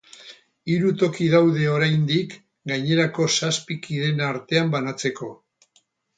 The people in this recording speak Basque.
Hiru toki daude oraindik gainerako zazpi kideen artean banatzeko.